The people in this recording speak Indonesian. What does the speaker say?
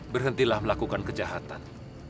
berhentilah melakukan kejahatan